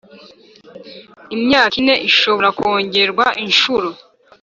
imyaka ine ishobora kongerwa inshuro